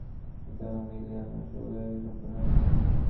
তোমাতে আমাতে মিলিয়া আমরা উভয়ে সম্পূর্ণ হইয়াছি।